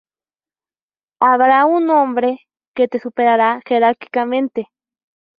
Habrá un hombre que te superará jerárquicamente.